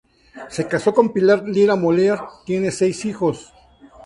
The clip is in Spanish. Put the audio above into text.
Se casó con Pilar Lira Moller; tiene seis hijos.